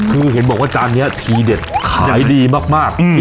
คือเห็นบอกว่าจานนี้ทีเด็ดขายดีมาก